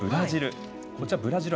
ブラジル。